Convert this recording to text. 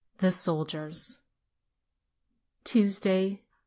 THE SOLDIERS Tuesday, 22d.